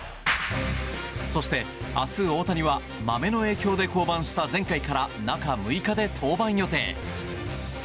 そして明日、大谷はまめの影響で降板した前回から中６日で登板予定。